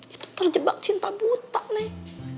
itu terjebak cinta buta nih